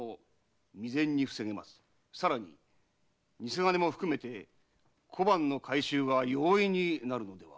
さらに偽金も含めて小判の回収が容易になるのでは？